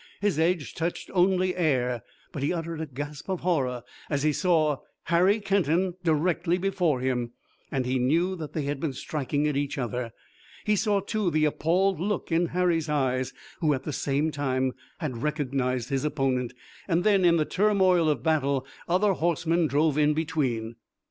His edge touched only the air, but he uttered a gasp of horror as he saw Harry Kenton directly before him, and knew that they had been striking at each other. He saw, too, the appalled look in Harry's eyes, who at the same time had recognized his opponent, and then, in the turmoil of battle, other horsemen drove in between.